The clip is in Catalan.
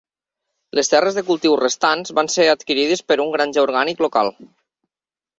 Les terres de cultiu restants van ser adquirides per un granger orgànic local.